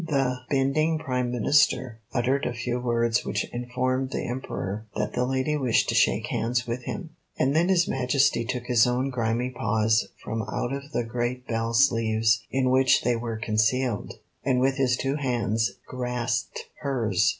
The bending Prime Minister uttered a few words which informed the Emperor that the lady wished to shake hands with him, and then his Majesty took his own grimy paws from out of the great bell sleeves in which they were concealed, and with his two hands grasped hers.